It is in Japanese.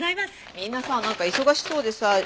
みんなさなんか忙しそうでさ。